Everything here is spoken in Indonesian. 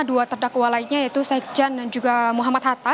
dua terdakwa lainnya yaitu sekjen dan juga muhammad hatta